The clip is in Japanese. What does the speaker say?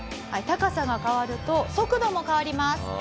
高さが変わると速度も変わります。